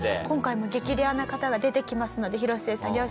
今回も激レアな方が出てきますので広末さん